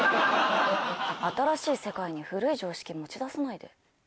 新しい世界に古い常識持ち出さないで。